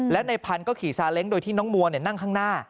แล้วในพันธุ์ก็ขี่ซาเล้งโดยที่น้องมัวนั่งข้างหน้า